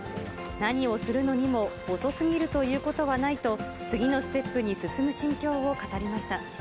何をするのにも遅すぎるということはないと、次のステップに進む心境を語りました。